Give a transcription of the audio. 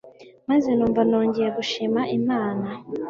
maze numva nongeye gushima Imana